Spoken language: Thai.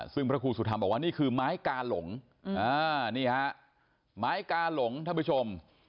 ซึ่งพระครูสุธรรมบอกว่านี่คือไม้กาหลงนี่ฮะไม้กาหลงท่านผู้ชม